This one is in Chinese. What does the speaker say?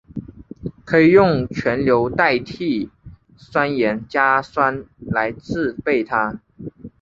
可以用全硫代锑酸盐加酸来制备它。